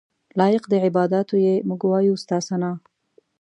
لایق د عباداتو یې موږ وایو ستا ثناء.